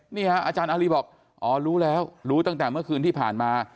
นี่ฮะอาจารย์อารีบอกอ๋อรู้แล้วรู้ตั้งแต่เมื่อคืนที่ผ่านมา